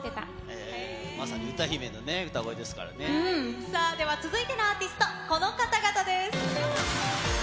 まさに歌姫の歌声ですでは続いてのアーティスト、この方々です。